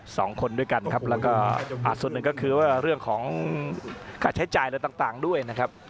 สองคนด้วยกันครับแล้วก็ส่วนหนึ่งก็คือว่าเรื่องของค่าใช้จ่ายอะไรต่างต่างด้วยนะครับ